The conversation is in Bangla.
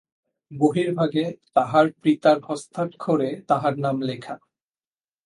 বহির্ভাগে তাহার পিতার হস্তাক্ষরে তাহার নাম লেখা।